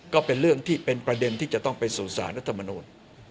ก็เป็นประเด็นที่ต้องไปสู่สารรัฐมนต์